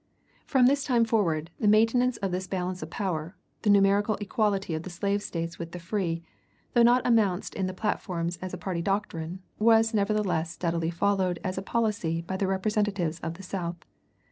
From this time forward, the maintenance of this balance of power, the numerical equality of the slave States with the free, though not announced in platforms as a party doctrine, was nevertheless steadily followed as a policy by the representatives of the South.